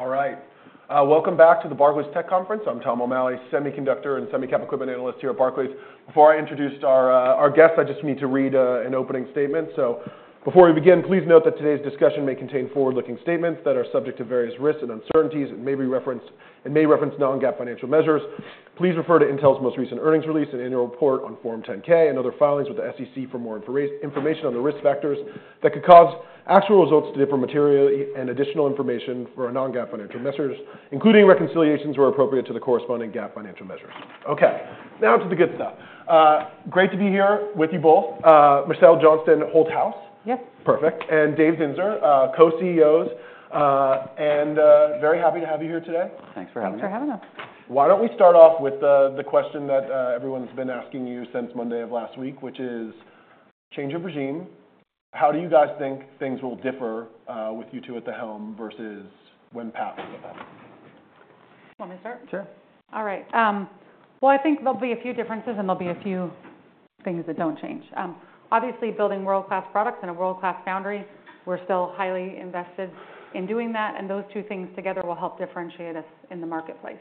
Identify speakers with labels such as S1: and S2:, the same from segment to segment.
S1: All right. Welcome back to the Barclays Tech Conference. I'm Tom O'Malley, semiconductor and semicap equipment analyst here at Barclays. Before I introduce our guests, I just need to read an opening statement. So before we begin, please note that today's discussion may contain forward-looking statements that are subject to various risks and uncertainties and may reference non-GAAP financial measures. Please refer to Intel's most recent earnings release and annual report on Form 10-K and other filings with the SEC for more information on the risk factors that could cause actual results to differ materially and additional information for non-GAAP financial measures, including reconciliations where appropriate to the corresponding GAAP financial measures. Okay. Now to the good stuff. Great to be here with you both. Michelle Johnston Holthaus.
S2: Yep.
S1: Perfect. And Dave Zinsner, co-CEOs. And very happy to have you here today.
S3: Thanks for having us.
S2: Thanks for having us.
S1: Why don't we start off with the question that everyone's been asking you since Monday of last week, which is change of regime. How do you guys think things will differ with you two at the helm versus when Pat was at that?
S2: You want me to start?
S3: Sure.
S2: All right. Well, I think there'll be a few differences and there'll be a few things that don't change. Obviously, building world-class products in a world-class foundry, we're still highly invested in doing that. And those two things together will help differentiate us in the marketplace.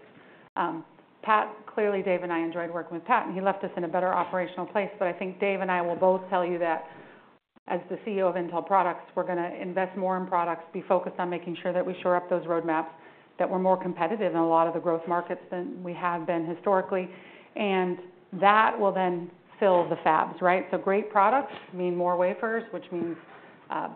S2: Pat, clearly, Dave and I enjoyed working with Pat. And he left us in a better operational place. But I think Dave and I will both tell you that as the CEO of Intel Products, we're going to invest more in products, be focused on making sure that we shore up those roadmaps, that we're more competitive in a lot of the growth markets than we have been historically. And that will then fill the fabs, right? So great products mean more wafers, which means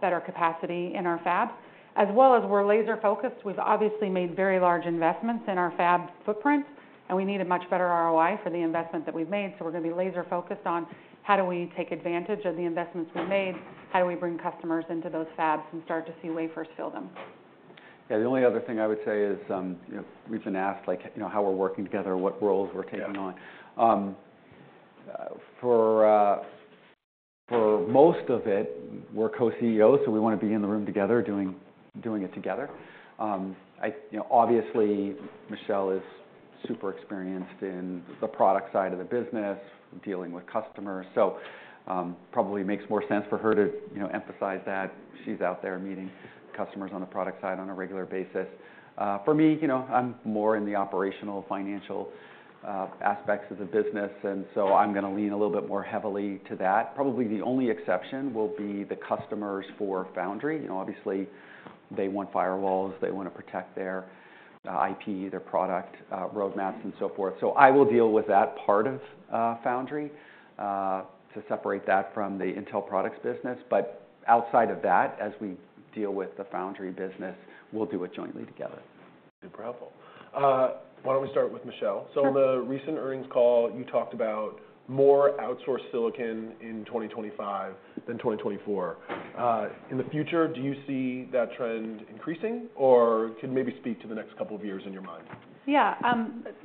S2: better capacity in our fabs. As well as we're laser-focused, we've obviously made very large investments in our fab footprint. And we need a much better ROI for the investment that we've made. So we're going to be laser-focused on how do we take advantage of the investments we've made, how do we bring customers into those fabs and start to see wafers fill them.
S3: Yeah. The only other thing I would say is we've been asked how we're working together, what roles we're taking on. For most of it, we're co-CEOs, so we want to be in the room together doing it together. Obviously, Michelle is super experienced in the product side of the business, dealing with customers. So probably makes more sense for her to emphasize that. She's out there meeting customers on the product side on a regular basis. For me, I'm more in the operational financial aspects of the business. And so I'm going to lean a little bit more heavily to that. Probably the only exception will be the customers for foundry. Obviously, they want firewalls. They want to protect their IP, their product roadmaps, and so forth. So I will deal with that part of foundry to separate that from the Intel products business. But outside of that, as we deal with the foundry business, we'll do it jointly together.
S1: Incredible. Why don't we start with Michelle? So on the recent earnings call, you talked about more outsourced silicon in 2025 than 2024. In the future, do you see that trend increasing? Or could you maybe speak to the next couple of years in your mind?
S2: Yeah.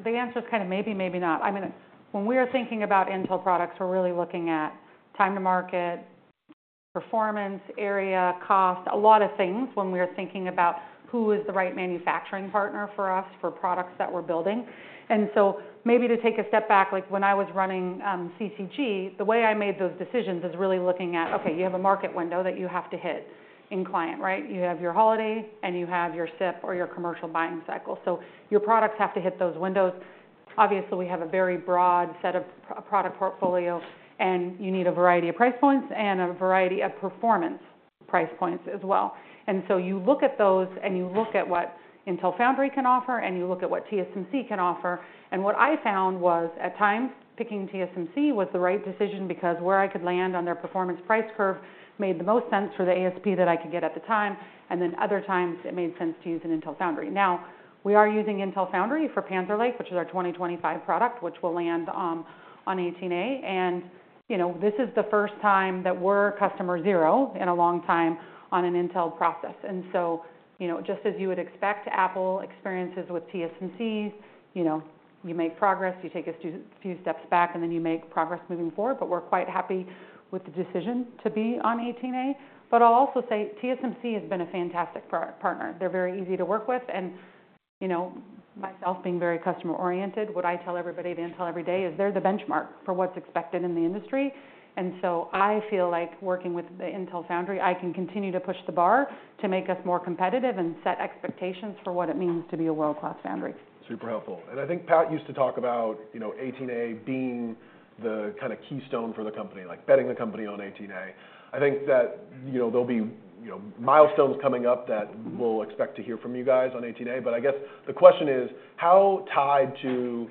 S2: The answer is kind of maybe, maybe not. I mean, when we are thinking about Intel products, we're really looking at time to market, performance, area, cost, a lot of things when we are thinking about who is the right manufacturing partner for us for products that we're building. And so maybe to take a step back, when I was running CCG, the way I made those decisions is really looking at, okay, you have a market window that you have to hit in client, right? You have your holiday and you have your SIPP or your commercial buying cycle. So your products have to hit those windows. Obviously, we have a very broad set of product portfolio, and you need a variety of price points and a variety of performance price points as well. You look at those and you look at what Intel Foundry can offer and you look at what TSMC can offer. What I found was at times picking TSMC was the right decision because where I could land on their performance price curve made the most sense for the ASP that I could get at the time. Then other times it made sense to use Intel Foundry. Now, we are using Intel Foundry for Panther Lake, which is our 2025 product, which will land on 18A. This is the first time that we're customer zero in a long time on an Intel process. Just as you would expect, Apple's experiences with TSMC. You make progress, you take a few steps back, and then you make progress moving forward. We're quite happy with the decision to be on 18A. But I'll also say TSMC has been a fantastic partner. They're very easy to work with. And myself being very customer-oriented, what I tell everybody at Intel every day is they're the benchmark for what's expected in the industry. And so I feel like working with the Intel Foundry, I can continue to push the bar to make us more competitive and set expectations for what it means to be a world-class foundry.
S1: Super helpful. And I think Pat used to talk about 18A being the kind of keystone for the company, like betting the company on 18A. I think that there'll be milestones coming up that we'll expect to hear from you guys on 18A. But I guess the question is, how tied to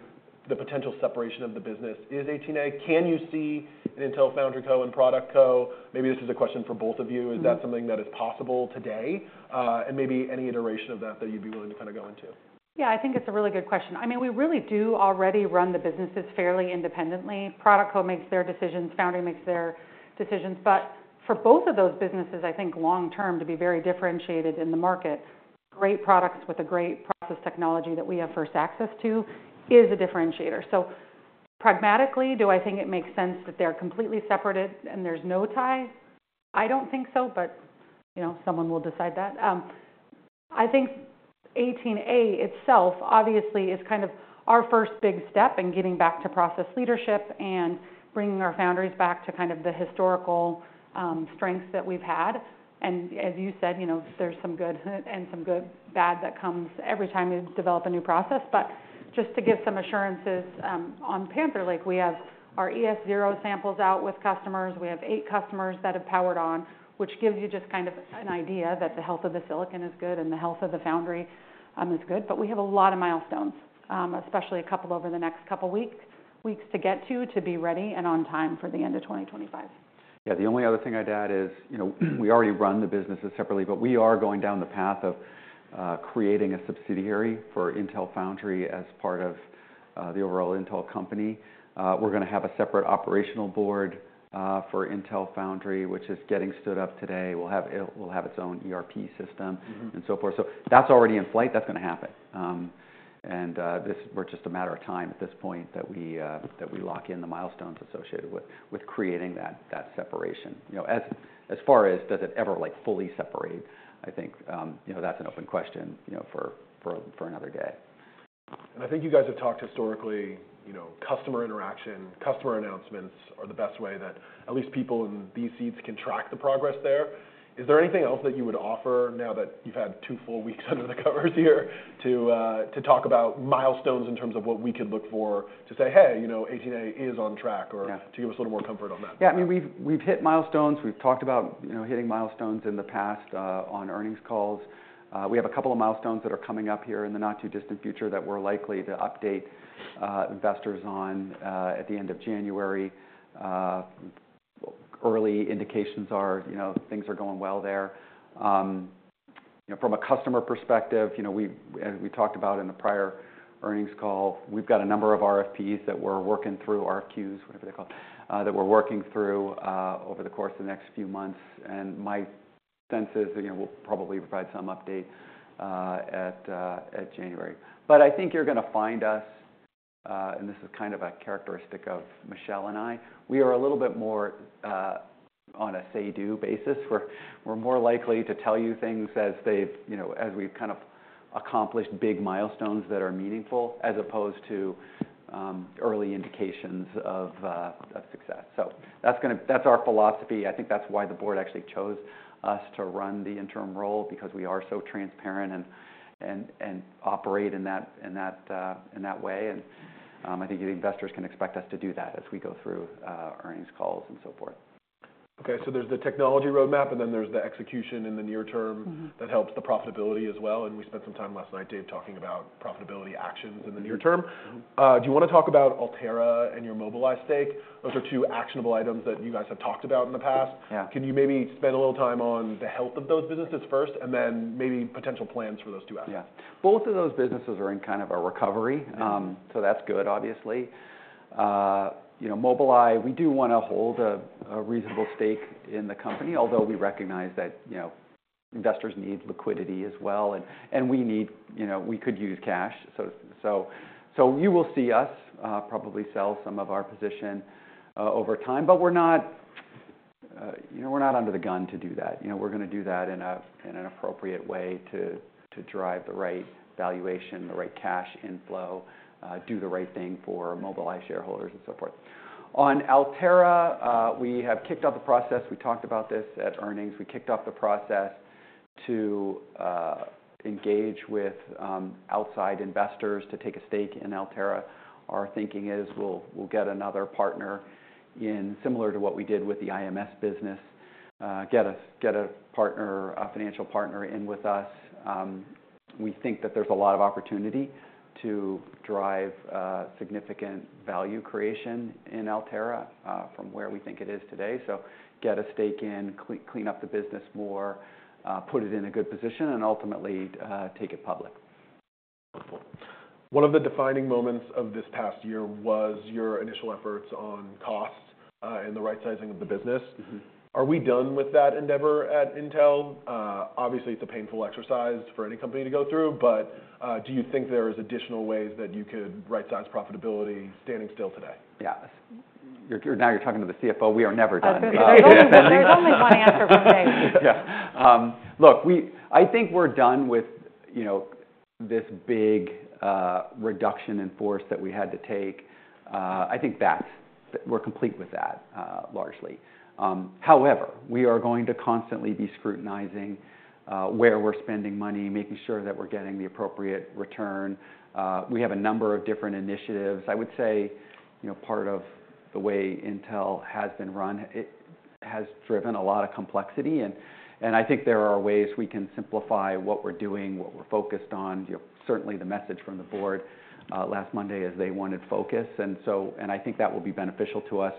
S1: the potential separation of the business is 18A? Can you see an Intel Foundry Co and Product Co? Maybe this is a question for both of you. Is that something that is possible today? And maybe any iteration of that that you'd be willing to kind of go into?
S2: Yeah, I think it's a really good question. I mean, we really do already run the businesses fairly independently. Product Co makes their decisions, Foundry makes their decisions. But for both of those businesses, I think long-term to be very differentiated in the market, great products with a great process technology that we have first access to is a differentiator. So pragmatically, do I think it makes sense that they're completely separated and there's no tie? I don't think so, but someone will decide that. I think 18A itself obviously is kind of our first big step in getting back to process leadership and bringing our foundries back to kind of the historical strengths that we've had and as you said, there's some good and some good/bad that comes every time you develop a new process. But just to give some assurances on Panther Lake, we have our ES0 samples out with customers. We have eight customers that have powered on, which gives you just kind of an idea that the health of the silicon is good and the health of the foundry is good. But we have a lot of milestones, especially a couple over the next couple of weeks to get to, to be ready and on time for the end of 2025.
S3: Yeah. The only other thing I'd add is we already run the businesses separately, but we are going down the path of creating a subsidiary for Intel Foundry as part of the overall Intel company. We're going to have a separate operational board for Intel Foundry, which is getting stood up today. We'll have its own ERP system and so forth. So that's already in flight. That's going to happen. And we're just a matter of time at this point that we lock in the milestones associated with creating that separation. As far as does it ever fully separate, I think that's an open question for another day.
S1: I think you guys have talked historically, customer interaction, customer announcements are the best way that at least people in these seats can track the progress there. Is there anything else that you would offer now that you've had two full weeks under the covers here to talk about milestones in terms of what we could look for to say, "Hey, 18A is on track," or to give us a little more comfort on that?
S3: Yeah. I mean, we've hit milestones. We've talked about hitting milestones in the past on earnings calls. We have a couple of milestones that are coming up here in the not too distant future that we're likely to update investors on at the end of January. Early indications are things are going well there. From a customer perspective, as we talked about in the prior earnings call, we've got a number of RFPs that we're working through, RFQs, whatever they're called, that we're working through over the course of the next few months. And my sense is we'll probably provide some update at January. But I think you're going to find us, and this is kind of a characteristic of Michelle and I, we are a little bit more on a say-do basis. We're more likely to tell you things as we've kind of accomplished big milestones that are meaningful as opposed to early indications of success. So that's our philosophy. I think that's why the board actually chose us to run the interim role because we are so transparent and operate in that way. And I think investors can expect us to do that as we go through earnings calls and so forth.
S1: Okay. So there's the technology roadmap, and then there's the execution in the near term that helps the profitability as well. And we spent some time last night, Dave, talking about profitability actions in the near term. Do you want to talk about Altera and your Mobileye stake? Those are two actionable items that you guys have talked about in the past. Can you maybe spend a little time on the health of those businesses first and then maybe potential plans for those two?
S3: Yeah. Both of those businesses are in kind of a recovery. So that's good, obviously. Mobileye, we do want to hold a reasonable stake in the company, although we recognize that investors need liquidity as well. And we could use cash. So you will see us probably sell some of our position over time. But we're not under the gun to do that. We're going to do that in an appropriate way to drive the right valuation, the right cash inflow, do the right thing for Mobileye shareholders and so forth. On Altera, we have kicked off the process. We talked about this at earnings. We kicked off the process to engage with outside investors to take a stake in Altera. Our thinking is we'll get another partner in similar to what we did with the IMS business, get a financial partner in with us. We think that there's a lot of opportunity to drive significant value creation in Altera from where we think it is today, so get a stake in, clean up the business more, put it in a good position, and ultimately take it public.
S1: One of the defining moments of this past year was your initial efforts on costs and the right-sizing of the business. Are we done with that endeavor at Intel? Obviously, it's a painful exercise for any company to go through. But do you think there are additional ways that you could right-size profitability standing still today?
S3: Yeah. Now you're talking to the CFO. We are never done.
S2: That's it. I only want to answer one thing.
S3: Yeah. Look, I think we're done with this big reduction in force that we had to take. I think we're complete with that largely. However, we are going to constantly be scrutinizing where we're spending money, making sure that we're getting the appropriate return. We have a number of different initiatives. I would say part of the way Intel has been run has driven a lot of complexity. And I think there are ways we can simplify what we're doing, what we're focused on. Certainly, the message from the board last Monday is they wanted focus. And I think that will be beneficial to us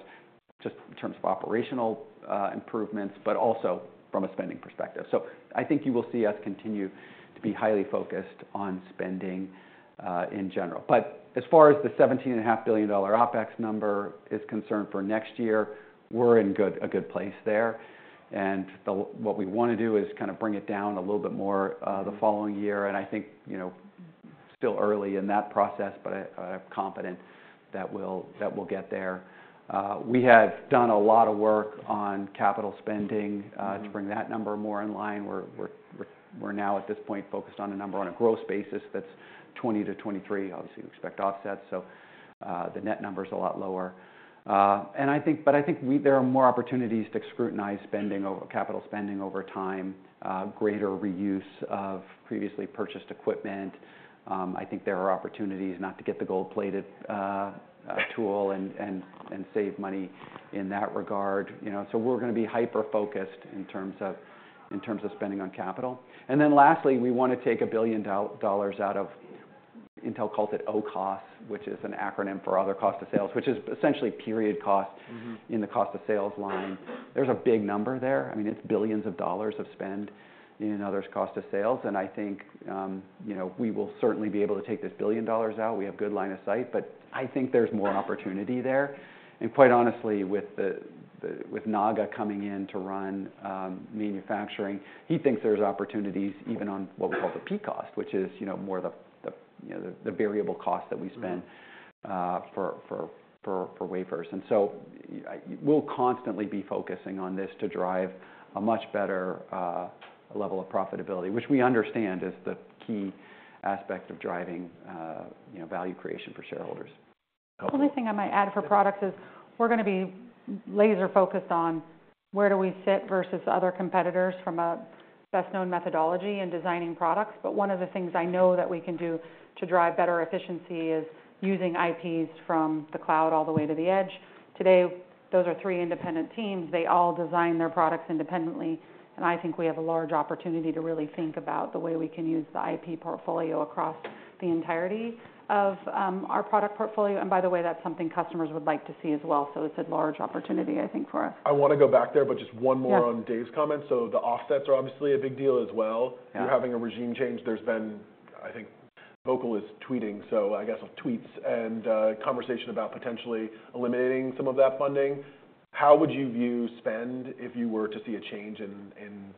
S3: just in terms of operational improvements, but also from a spending perspective. So I think you will see us continue to be highly focused on spending in general. As far as the $17.5 billion OpEx number is concerned for next year, we're in a good place there. What we want to do is kind of bring it down a little bit more the following year. I think still early in that process, but I'm confident that we'll get there. We have done a lot of work on capital spending to bring that number more in line. We're now at this point focused on a number on a gross basis that's 20-23. Obviously, we expect offsets. The net number is a lot lower. I think there are more opportunities to scrutinize capital spending over time, greater reuse of previously purchased equipment. I think there are opportunities not to get the gold-plated tool and save money in that regard. We're going to be hyper-focused in terms of spending on capital. And then lastly, we want to take a billion dollars out of Intel's OCOS, which is an acronym for other cost of sales, which is essentially period cost in the cost of sales line. There's a big number there. I mean, it's billions of dollars of spend in other cost of sales. And I think we will certainly be able to take this billion dollars out. We have a good line of sight. But I think there's more opportunity there. And quite honestly, with Naga coming in to run manufacturing, he thinks there's opportunities even on what we call the P cost, which is more the variable cost that we spend for wafers. And so we'll constantly be focusing on this to drive a much better level of profitability, which we understand is the key aspect of driving value creation for shareholders.
S2: The only thing I might add for products is we're going to be laser-focused on where do we sit versus other competitors from a best-known methodology in designing products. But one of the things I know that we can do to drive better efficiency is using IPs from the cloud all the way to the edge. Today, those are three independent teams. They all design their products independently. And I think we have a large opportunity to really think about the way we can use the IP portfolio across the entirety of our product portfolio. And by the way, that's something customers would like to see as well. So it's a large opportunity, I think, for us.
S1: I want to go back there, but just one more on Dave's comments. So the offsets are obviously a big deal as well. You're having a regime change. There's been, I think Vogel is tweeting, so I guess tweets and conversation about potentially eliminating some of that funding. How would you view spend if you were to see a change in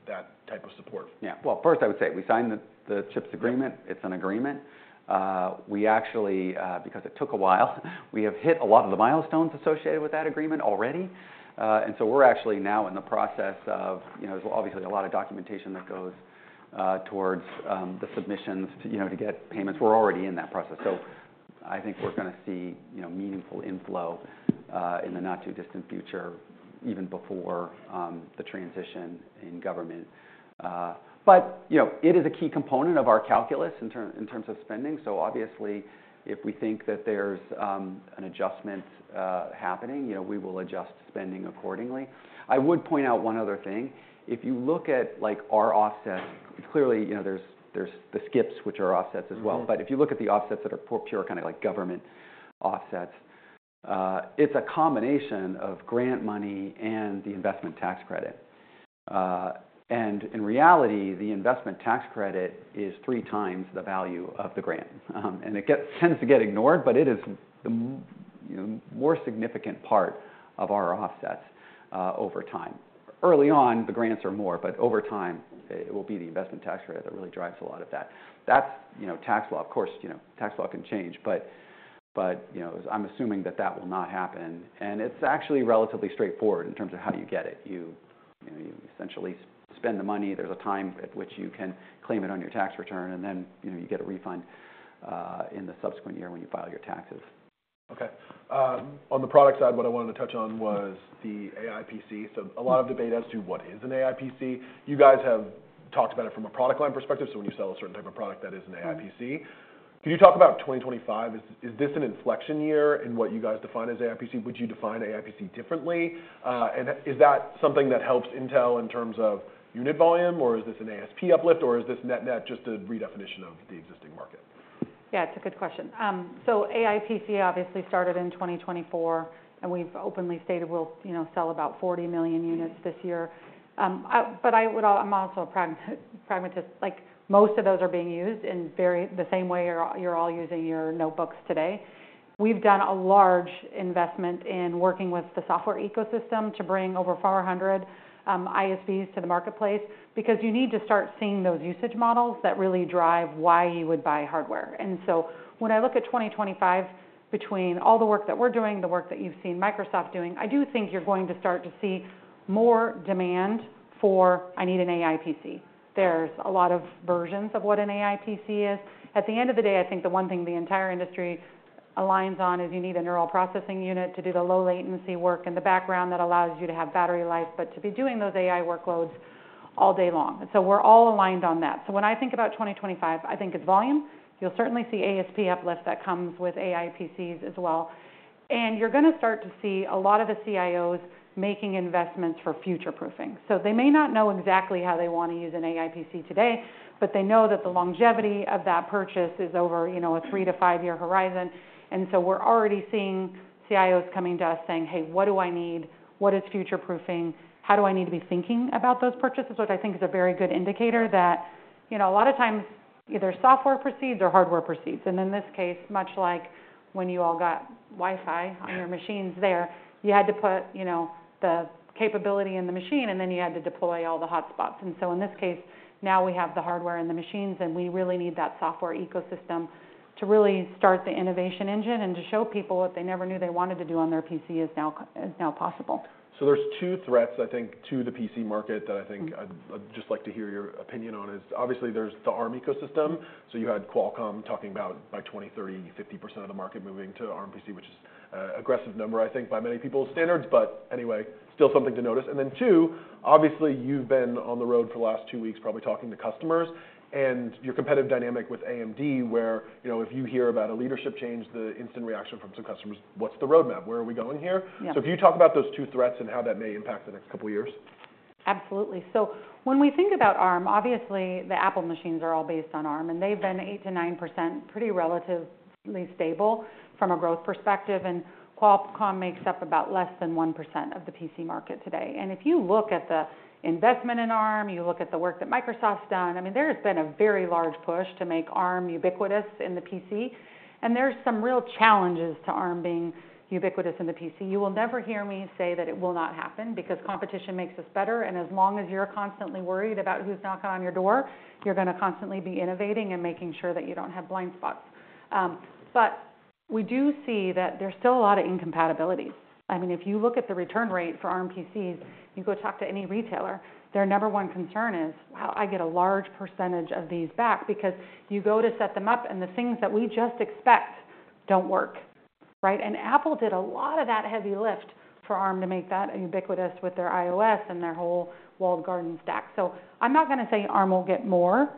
S1: that type of support?
S3: Yeah. Well, first, I would say we signed the CHIPS agreement. It's an agreement. Because it took a while, we have hit a lot of the milestones associated with that agreement already. And so we're actually now in the process of, obviously, a lot of documentation that goes towards the submissions to get payments. We're already in that process. So I think we're going to see meaningful inflow in the not too distant future, even before the transition in government. But it is a key component of our calculus in terms of spending. So obviously, if we think that there's an adjustment happening, we will adjust spending accordingly. I would point out one other thing. If you look at our offsets, clearly, there's the SCIPs, which are offsets as well. But if you look at the offsets that are pure kind of government offsets, it's a combination of grant money and the investment tax credit. And in reality, the investment tax credit is three times the value of the grant. And it tends to get ignored, but it is the more significant part of our offsets over time. Early on, the grants are more, but over time, it will be the investment tax credit that really drives a lot of that. That's tax law. Of course, tax law can change, but I'm assuming that that will not happen. And it's actually relatively straightforward in terms of how you get it. You essentially spend the money. There's a time at which you can claim it on your tax return, and then you get a refund in the subsequent year when you file your taxes.
S1: Okay. On the product side, what I wanted to touch on was the AI PC. So a lot of debate as to what is an AI PC. You guys have talked about it from a product line perspective. So when you sell a certain type of product that is an AI PC. Can you talk about 2025? Is this an inflection year in what you guys define as AI PC? Would you define AI PC differently? And is that something that helps Intel in terms of unit volume, or is this an ASP uplift, or is this net-net just a redefinition of the existing market?
S2: Yeah, it's a good question. So AI PC obviously started in 2024, and we've openly stated we'll sell about 40 million units this year. But I'm also a pragmatist. Most of those are being used in the same way you're all using your notebooks today. We've done a large investment in working with the software ecosystem to bring over 400 ISVs to the marketplace because you need to start seeing those usage models that really drive why you would buy hardware. And so when I look at 2025, between all the work that we're doing, the work that you've seen Microsoft doing, I do think you're going to start to see more demand for, "I need an AI PC." There's a lot of versions of what an AI PC is. At the end of the day, I think the one thing the entire industry aligns on is you need a neural processing unit to do the low-latency work in the background that allows you to have battery life but to be doing those AI workloads all day long. And so we're all aligned on that. So when I think about 2025, I think it's volume. You'll certainly see ASP uplift that comes with AI PCs as well. And you're going to start to see a lot of the CIOs making investments for future-proofing. So they may not know exactly how they want to use an AI PC today, but they know that the longevity of that purchase is over a three to five-year horizon. And so we're already seeing CIOs coming to us saying, "Hey, what do I need? What is future-proofing? How do I need to be thinking about those purchases?" which I think is a very good indicator that a lot of times either software proceeds or hardware proceeds, and in this case, much like when you all got Wi-Fi on your machines there, you had to put the capability in the machine, and then you had to deploy all the hotspots, and so in this case, now we have the hardware and the machines, and we really need that software ecosystem to really start the innovation engine and to show people what they never knew they wanted to do on their PC is now possible.
S1: So there's two threats, I think, to the PC market that I think I'd just like to hear your opinion on. Obviously, there's the Arm ecosystem. So you had Qualcomm talking about by 2030, 50% of the market moving to Arm PC, which is an aggressive number, I think, by many people's standards. But anyway, still something to notice. And then two, obviously, you've been on the road for the last two weeks probably talking to customers and your competitive dynamic with AMD, where if you hear about a leadership change, the instant reaction from some customers is, "What's the roadmap? Where are we going here?" So can you talk about those two threats and how that may impact the next couple of years?
S2: Absolutely. So when we think about Arm, obviously, the Apple machines are all based on Arm, and they've been 8%-9% pretty relatively stable from a growth perspective. And Qualcomm makes up about less than 1% of the PC market today. And if you look at the investment in Arm, you look at the work that Microsoft's done, I mean, there has been a very large push to make Arm ubiquitous in the PC. And there's some real challenges to Arm being ubiquitous in the PC. You will never hear me say that it will not happen because competition makes us better. And as long as you're constantly worried about who's knocking on your door, you're going to constantly be innovating and making sure that you don't have blind spots. But we do see that there's still a lot of incompatibilities. I mean, if you look at the return rate for Arm PCs, you go talk to any retailer, their number one concern is, "Wow, I get a large percentage of these back because you go to set them up, and the things that we just expect don't work." And Apple did a lot of that heavy lift for Arm to make that ubiquitous with their iOS and their whole walled garden stack. So I'm not going to say Arm will get more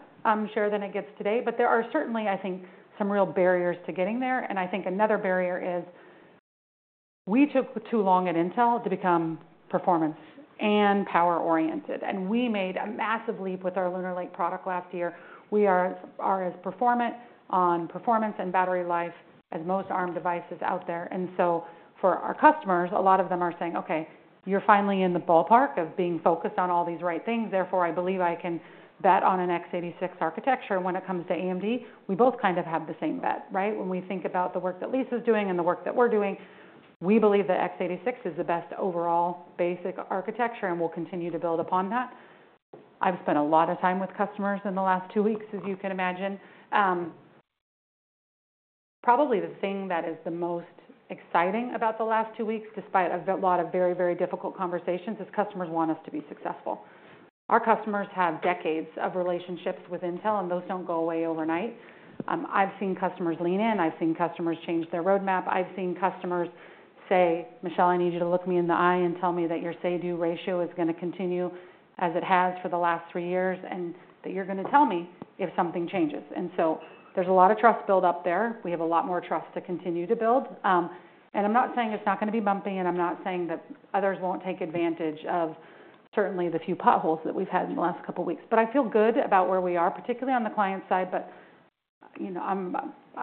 S2: share than it gets today, but there are certainly, I think, some real barriers to getting there. And I think another barrier is we took too long at Intel to become performance and power-oriented. And we made a massive leap with our Lunar Lake product last year. We are as performant on performance and battery life as most Arm devices out there. For our customers, a lot of them are saying, "Okay, you're finally in the ballpark of being focused on all these right things. Therefore, I believe I can bet on an x86 architecture." When it comes to AMD, we both kind of have the same bet, right? When we think about the work that Lisa's doing and the work that we're doing, we believe that x86 is the best overall basic architecture and will continue to build upon that. I've spent a lot of time with customers in the last two weeks, as you can imagine. Probably the thing that is the most exciting about the last two weeks, despite a lot of very, very difficult conversations, is customers want us to be successful. Our customers have decades of relationships with Intel, and those don't go away overnight. I've seen customers lean in. I've seen customers change their roadmap. I've seen customers say, "Michelle, I need you to look me in the eye and tell me that your say-do ratio is going to continue as it has for the last three years and that you're going to tell me if something changes," and so there's a lot of trust build-up there. We have a lot more trust to continue to build, and I'm not saying it's not going to be bumpy, and I'm not saying that others won't take advantage of certainly the few potholes that we've had in the last couple of weeks, but I feel good about where we are, particularly on the client side, but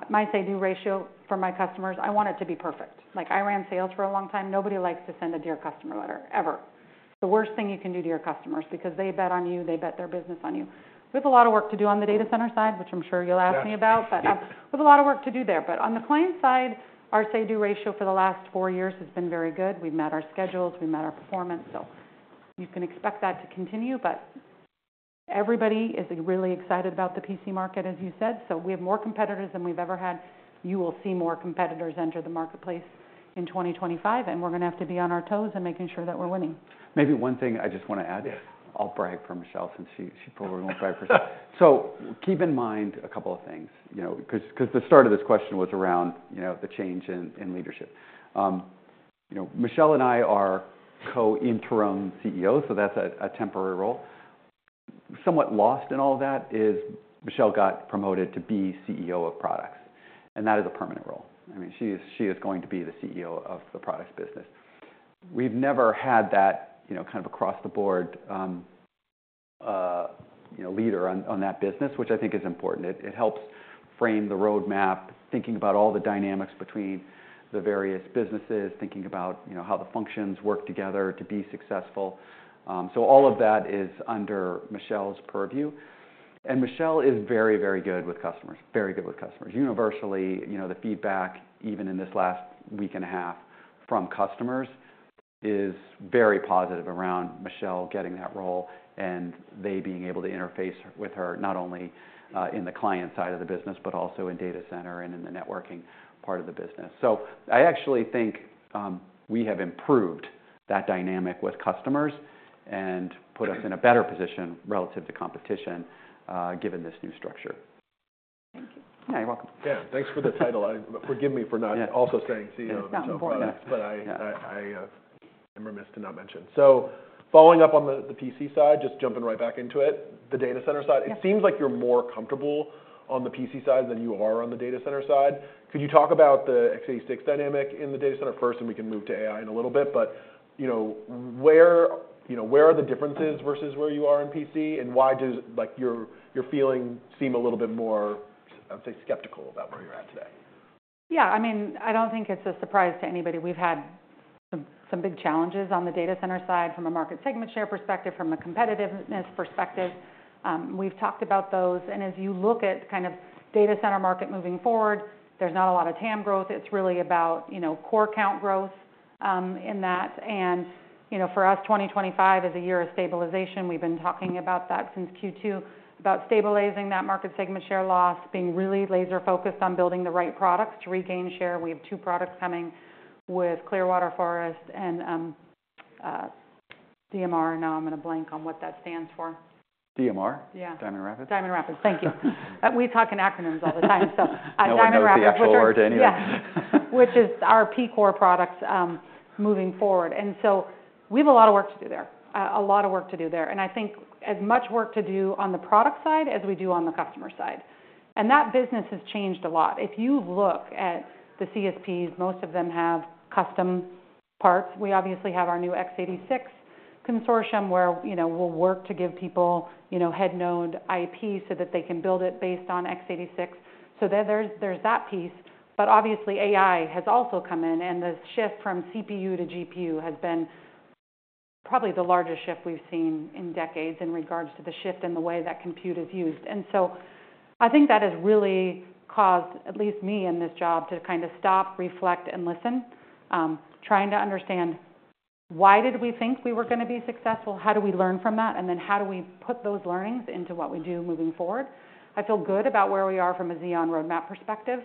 S2: my say-do ratio for my customers, I want it to be perfect. I ran sales for a long time. Nobody likes to send a dear customer letter ever. It's the worst thing you can do to your customers because they bet on you. They bet their business on you. We have a lot of work to do on the data center side, which I'm sure you'll ask me about, but we have a lot of work to do there. But on the client side, our say-do ratio for the last four years has been very good. We've met our schedules. We've met our performance. So you can expect that to continue. But everybody is really excited about the PC market, as you said. So we have more competitors than we've ever had. You will see more competitors enter the marketplace in 2025, and we're going to have to be on our toes and making sure that we're winning.
S3: Maybe one thing I just want to add is I'll brag for Michelle since she probably won't brag for herself, so keep in mind a couple of things because the start of this question was around the change in leadership. Michelle and I are co-interim CEOs, so that's a temporary role. Somewhat lost in all of that is Michelle got promoted to be CEO of products, and that is a permanent role. I mean, she is going to be the CEO of the products business. We've never had that kind of across-the-board leader on that business, which I think is important. It helps frame the roadmap, thinking about all the dynamics between the various businesses, thinking about how the functions work together to be successful, so all of that is under Michelle's purview, and Michelle is very, very good with customers, very good with customers. Universally, the feedback, even in this last week and a half from customers, is very positive around Michelle getting that role and they being able to interface with her not only in the client side of the business, but also in data center and in the networking part of the business. So I actually think we have improved that dynamic with customers and put us in a better position relative to competition given this new structure.
S2: Thank you.
S3: Yeah, you're welcome.
S1: Yeah. Thanks for the title. Forgive me for not also saying CEO and so forth.
S2: Not so important.
S1: But I am remiss not to mention. So following up on the PC side, just jumping right back into it, the data center side, it seems like you're more comfortable on the PC side than you are on the data center side. Could you talk about the x86 dynamic in the data center first, and we can move to AI in a little bit? But where are the differences versus where you are in PC, and why does your feeling seem a little bit more, I'd say, skeptical about where you're at today?
S2: Yeah. I mean, I don't think it's a surprise to anybody. We've had some big challenges on the data center side from a market segment share perspective, from a competitiveness perspective. We've talked about those. And as you look at kind of data center market moving forward, there's not a lot of TAM growth. It's really about core count growth in that. And for us, 2025 is a year of stabilization. We've been talking about that since Q2, about stabilizing that market segment share loss, being really laser-focused on building the right products to regain share. We have two products coming with Clearwater Forest and DMR. Now I'm going to blank on what that stands for.
S1: DMR?
S2: Yeah.
S1: Diamond Rapids?
S2: Diamond Rapids. Thank you. We talk in acronyms all the time. So Diamond Rapids, which is our P-core products moving forward. And so we have a lot of work to do there, a lot of work to do there. And I think as much work to do on the product side as we do on the customer side. And that business has changed a lot. If you look at the CSPs, most of them have custom parts. We obviously have our new x86 consortium where we'll work to give people head-node IP so that they can build it based on x86. So there's that piece. But obviously, AI has also come in, and the shift from CPU to GPU has been probably the largest shift we've seen in decades in regards to the shift in the way that compute is used. And so I think that has really caused, at least me in this job, to kind of stop, reflect, and listen, trying to understand why did we think we were going to be successful? How do we learn from that? And then how do we put those learnings into what we do moving forward? I feel good about where we are from a Xeon roadmap perspective,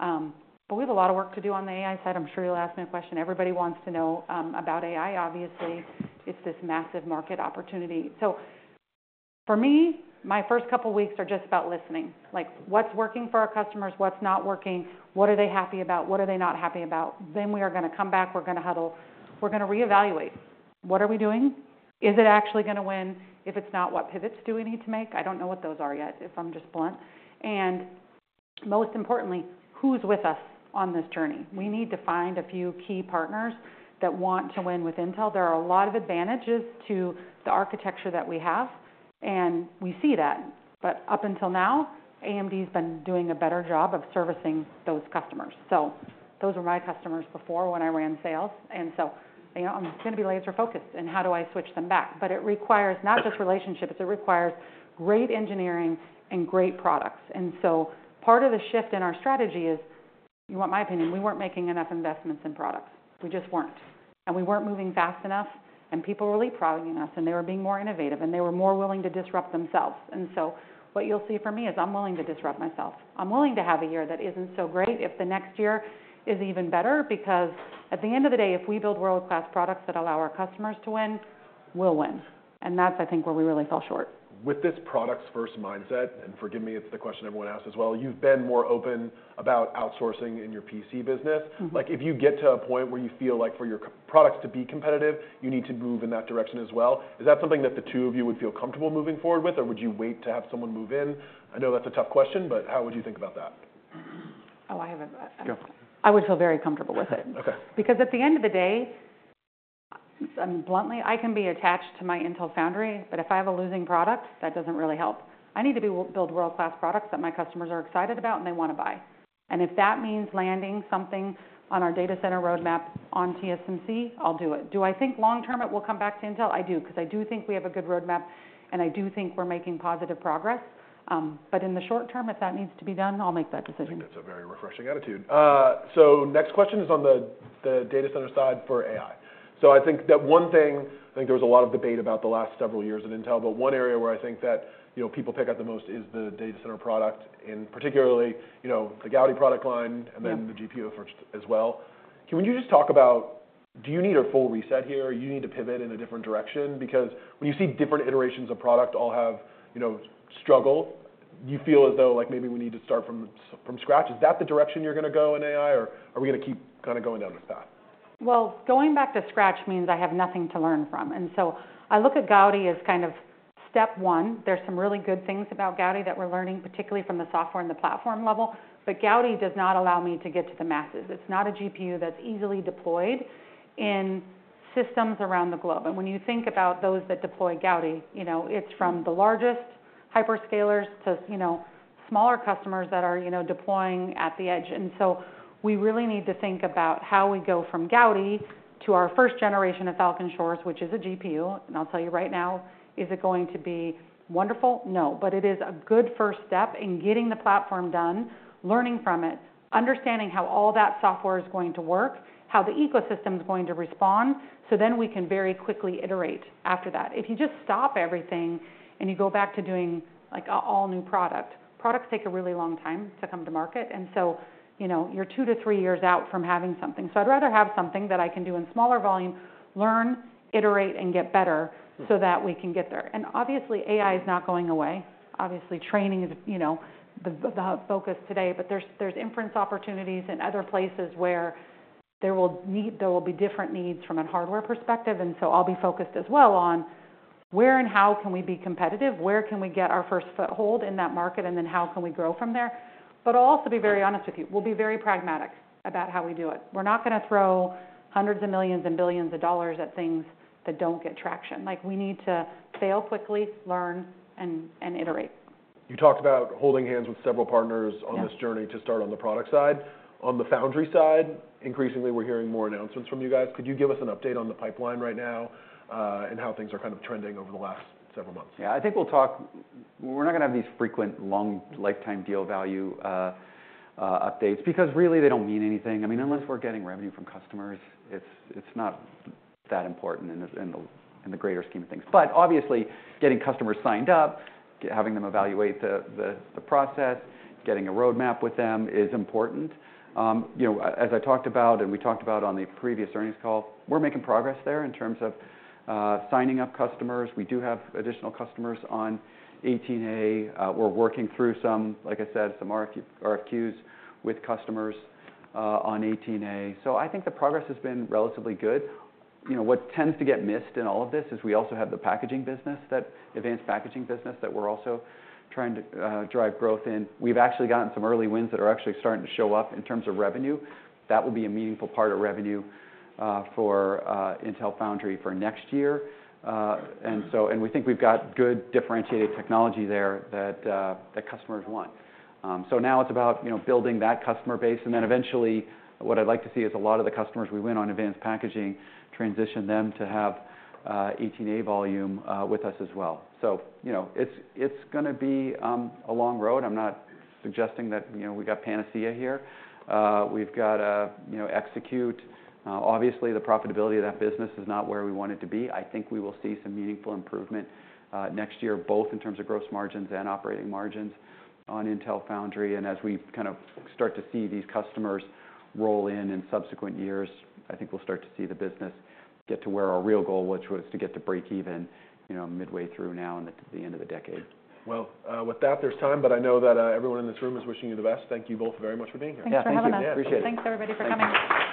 S2: but we have a lot of work to do on the AI side. I'm sure you'll ask me a question. Everybody wants to know about AI. Obviously, it's this massive market opportunity. So for me, my first couple of weeks are just about listening. What's working for our customers? What's not working? What are they happy about? What are they not happy about? Then we are going to come back. We're going to huddle. We're going to reevaluate. What are we doing? Is it actually going to win? If it's not, what pivots do we need to make? I don't know what those are yet, if I'm just blunt. And most importantly, who's with us on this journey? We need to find a few key partners that want to win with Intel. There are a lot of advantages to the architecture that we have, and we see that. But up until now, AMD has been doing a better job of servicing those customers. So those were my customers before when I ran sales. And so I'm going to be laser-focused, and how do I switch them back? But it requires not just relationships. It requires great engineering and great products. And so part of the shift in our strategy is, you want my opinion, we weren't making enough investments in products. We just weren't. We weren't moving fast enough, and people were leapfrogging us, and they were being more innovative, and they were more willing to disrupt themselves. What you'll see from me is I'm willing to disrupt myself. I'm willing to have a year that isn't so great if the next year is even better because at the end of the day, if we build world-class products that allow our customers to win, we'll win. That's, I think, where we really fell short.
S1: With this products-first mindset, and forgive me, it's the question everyone asks as well, you've been more open about outsourcing in your PC business. If you get to a point where you feel like for your products to be competitive, you need to move in that direction as well, is that something that the two of you would feel comfortable moving forward with, or would you wait to have someone move in? I know that's a tough question, but how would you think about that?
S2: Oh, I would feel very comfortable with it. Because at the end of the day, bluntly, I can be attached to my Intel Foundry, but if I have a losing product, that doesn't really help. I need to build world-class products that my customers are excited about and they want to buy. and if that means landing something on our data center roadmap on TSMC, I'll do it. Do I think long-term it will come back to Intel? I do because I do think we have a good roadmap, and I do think we're making positive progress. but in the short term, if that needs to be done, I'll make that decision.
S1: I think that's a very refreshing attitude. So next question is on the data center side for AI. So I think that one thing, I think there was a lot of debate about the last several years at Intel, but one area where I think that people pick up the most is the data center product, and particularly the Gaudi product line and then the GPU efforts as well. Can you just talk about, do you need a full reset here? Do you need to pivot in a different direction? Because when you see different iterations of product all have struggle, you feel as though maybe we need to start from scratch. Is that the direction you're going to go in AI, or are we going to keep kind of going down this path?
S2: Going back to scratch means I have nothing to learn from. And so I look at Gaudi as kind of step one. There's some really good things about Gaudi that we're learning, particularly from the software and the platform level. But Gaudi does not allow me to get to the masses. It's not a GPU that's easily deployed in systems around the globe. And when you think about those that deploy Gaudi, it's from the largest hyperscalers to smaller customers that are deploying at the edge. And so we really need to think about how we go from Gaudi to our first generation of Falcon Shores, which is a GPU. And I'll tell you right now, is it going to be wonderful? No. But it is a good first step in getting the platform done, learning from it, understanding how all that software is going to work, how the ecosystem is going to respond, so then we can very quickly iterate after that. If you just stop everything and you go back to doing an all-new product, products take a really long time to come to market. And so you're two to three years out from having something. So I'd rather have something that I can do in smaller volume, learn, iterate, and get better so that we can get there. And obviously, AI is not going away. Obviously, training is the focus today, but there's inference opportunities in other places where there will be different needs from a hardware perspective. And so I'll be focused as well on where and how can we be competitive, where can we get our first foothold in that market, and then how can we grow from there. But I'll also be very honest with you. We'll be very pragmatic about how we do it. We're not going to throw hundreds of millions and billions of dollars at things that don't get traction. We need to fail quickly, learn, and iterate.
S1: You talked about holding hands with several partners on this journey to start on the product side. On the foundry side, increasingly, we're hearing more announcements from you guys. Could you give us an update on the pipeline right now and how things are kind of trending over the last several months?
S3: Yeah. I think we'll talk. We're not going to have these frequent long lifetime deal value updates because really they don't mean anything. I mean, unless we're getting revenue from customers, it's not that important in the greater scheme of things. But obviously, getting customers signed up, having them evaluate the process, getting a roadmap with them is important. As I talked about and we talked about on the previous earnings call, we're making progress there in terms of signing up customers. We do have additional customers on 18A. We're working through some, like I said, some RFQs with customers on 18A. So I think the progress has been relatively good. What tends to get missed in all of this is we also have the packaging business, that advanced packaging business that we're also trying to drive growth in. We've actually gotten some early wins that are actually starting to show up in terms of revenue. That will be a meaningful part of revenue for Intel Foundry for next year. And we think we've got good differentiated technology there that customers want. So now it's about building that customer base. And then eventually, what I'd like to see is a lot of the customers we win on advanced packaging transition them to have 18A volume with us as well. So it's going to be a long road. I'm not suggesting that we got panacea here. We've got to execute. Obviously, the profitability of that business is not where we want it to be. I think we will see some meaningful improvement next year, both in terms of gross margins and operating margins on Intel Foundry. As we kind of start to see these customers roll in in subsequent years, I think we'll start to see the business get to where our real goal, which was to get to break even midway through now and at the end of the decade.
S1: With that, there's time, but I know that everyone in this room is wishing you the best. Thank you both very much for being here.
S3: Yeah. Thank you. I appreciate it.
S2: Thanks, everybody, for coming.